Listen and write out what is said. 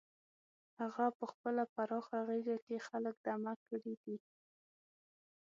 هغه په خپله پراخه غېږه کې خلک دمه کړي دي.